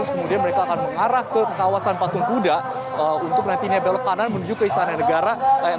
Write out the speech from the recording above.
kemudian mereka akan mengarah ke kawasan patung kuda untuk nantinya belok kanan menuju ke istana negara